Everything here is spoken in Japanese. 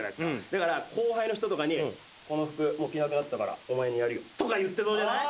だから後輩の人とかにこの服着なくなったからお前にやるよとか言ってそうじゃない？